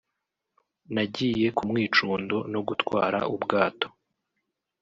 nagiye ku mwicundo no gutwara ubwato